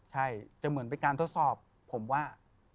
ใช่จะเหมือนเป็นการทดสอบผมว่า